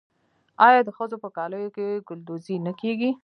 آیا د ښځو په کالیو کې ګلدوزي نه کیږي؟